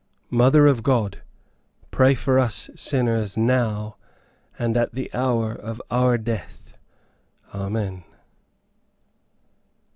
Mother of God! Pray for us sinners, now, and at the hour of our death, Amen."